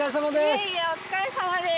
いえいえお疲れさまです。